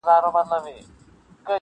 انتظار به د سهار کوو تر کومه,